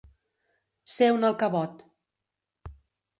Ser un alcavot.